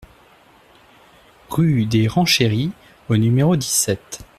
Rue des Rancheries au numéro dix-sept